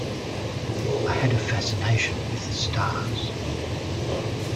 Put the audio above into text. I had a fascination with the stars.